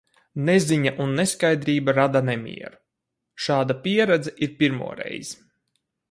Neziņa un neskaidrība rada nemieru... Šāda pieredze ir pirmo reiz.